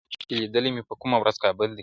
چي لیدلی مي په کومه ورځ کابل دی,